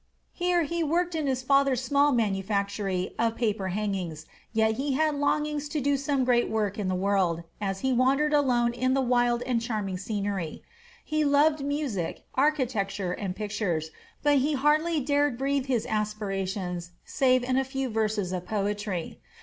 Here he worked in his father's small manufactory of paper hangings; yet he had longings to do some great work in the world, as he wandered alone in the wild and charming scenery. He loved music, architecture, and pictures, but he hardly dared breathe his aspirations save in a few verses of poetry.